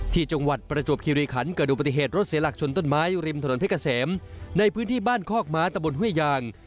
จังหวัดประจวบคิริขันเกิดดูปฏิเหตุรถเสียหลักชนต้นไม้ริมถนนเพชรเกษมในพื้นที่บ้านคอกม้าตะบนห้วยยาง